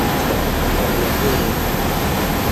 وَقَالَ مَهْبُودٌ